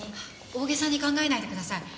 大げさに考えないでください。